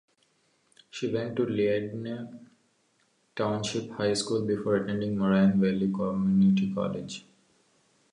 He went to Leyden Township High School before attending Moraine Valley Community College.